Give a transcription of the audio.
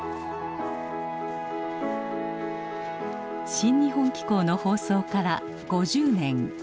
「新日本紀行」の放送から５０年。